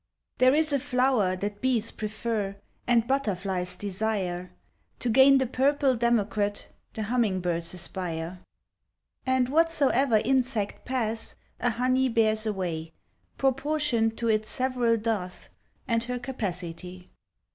There is a flower that bees prefer, And butterflies desire; To gain the purple democrat The humming birds aspire. And whatsoever insect pass, A honey bears away Proportioned to his several dearth And her capacity.